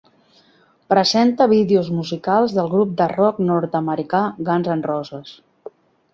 Presenta vídeos musicals del grup de rock nord-americà Guns N' Roses.